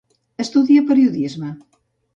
Estudià periodisme.